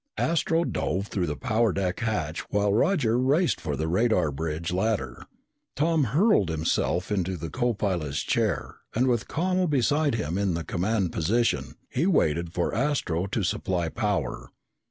Astro dove through the power deck hatch while Roger raced for the radar bridge ladder. Tom hurled himself into the copilot's chair, and with Connel beside him in the command position, he waited for Astro to supply power.